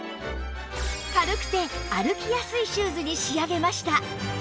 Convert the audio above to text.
軽くて歩きやすいシューズに仕上げました